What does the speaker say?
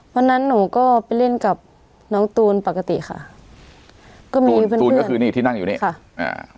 วันนั้นหนูก็ไปเล่นกับน้องตูนปกติค่ะก็มีพี่ตูนก็คือนี่ที่นั่งอยู่นี่ค่ะอ่า